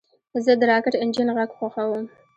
زه د راکټ انجن غږ خوښوم.